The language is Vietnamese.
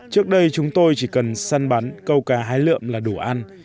trước đây chúng tôi chỉ cần săn bắn câu cá hái lượm là đủ ăn